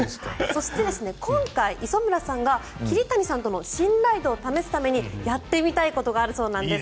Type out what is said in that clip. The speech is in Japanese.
そして今回磯村さんが桐谷さんとの信頼度を試すためにやってみたいことがあるそうなんです。